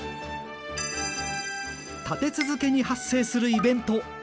立て続けに発生するイベント。